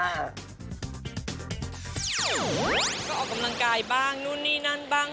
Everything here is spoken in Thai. ก็ออกกำลังกายบ้างนู่นนี่นั่นบ้าง